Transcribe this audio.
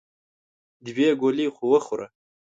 دوې ګولې خو وخوره !